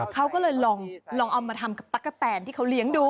เขาก็เลยลองเอามาทำกับตั๊กกะแตนที่เขาเลี้ยงดู